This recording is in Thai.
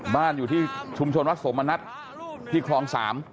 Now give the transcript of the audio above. บ้านอยู่ที่ชุมชนวัดสมณัฐที่คลอง๓